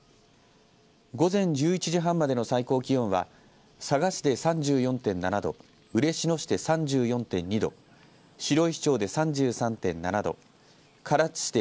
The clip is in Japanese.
午前１１時半までの最高気温は佐賀市で３４．７度嬉野市で３４．２度白石町で３３．７度唐津市で